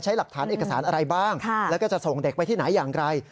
หลักฐานเอกสารอะไรบ้างแล้วก็จะส่งเด็กไปที่ไหนอย่างไร